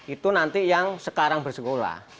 itu nanti yang sekarang bersekolah